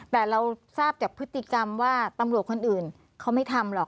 แต่เราทราบจากพฤติกรรมว่าตำรวจคนอื่นเขาไม่ทำหรอก